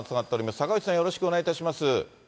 坂口さん、よろしくお願いします。